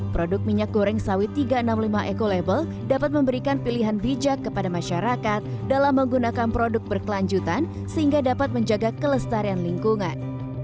produk minyak goreng sawit tiga ratus enam puluh lima eco label dapat memberikan pilihan bijak kepada masyarakat dalam menggunakan produk berkelanjutan sehingga dapat menjaga kelestarian lingkungan